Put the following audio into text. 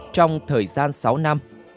trong thời gian sáu năm